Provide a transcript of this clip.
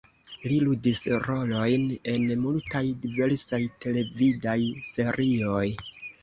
Li ludis rolojn en multaj diversaj televidaj serioj.